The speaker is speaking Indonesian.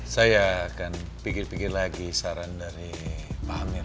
saya akan pikir pikir lagi saran dari pak amir